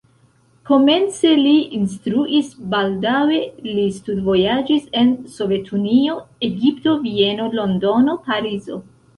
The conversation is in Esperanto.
Komence li instruis, baldaŭe li studvojaĝis en Sovetunio, Egipto, Vieno, Londono, Parizo.